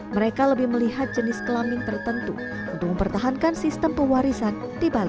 mereka lebih melihat jenis kelamin tertentu untuk mempertahankan sistem pewarisan di bali